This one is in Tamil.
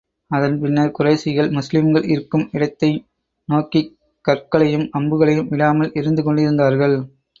அதன் பின்னர், குறைஷிகள் முஸ்லிம்கள் இருக்கும் இடத்தைந் நோக்கிக் கற்களையும் அம்புகளையும் விடாமல் எறிந்து கொண்டிருந்தார்கள்.